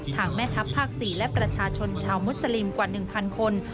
แม่ทัพภาค๔และประชาชนชาวมุสลิมกว่า๑๐๐คน